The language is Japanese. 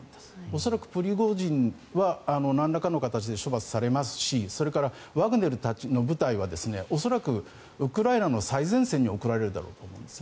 恐らくプリゴジンはなんらかの形で処罰されますしそれからワグネルの部隊は恐らくウクライナの最前線に送られるだろうと思います。